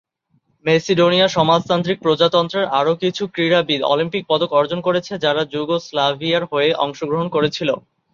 Macedonia সমাজতান্ত্রিক প্রজাতন্ত্রের আরও কিছু ক্রীড়াবিদ অলিম্পিক পদক অর্জন করেছে, যারা যুগোস্লাভিয়ার হয়ে অংশগ্রহণ করেছিল।